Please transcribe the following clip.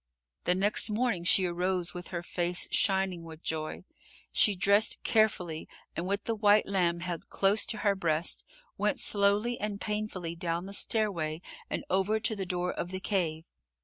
The next morning she arose with her face shining with joy. She dressed carefully and with the white lamb held close to her breast, went slowly and painfully down the stairway and over to the door of the cave.